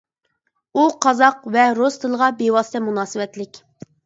ئۇ قازاق ۋە رۇس تىلىغا بىۋاسىتە مۇناسىۋەتلىك.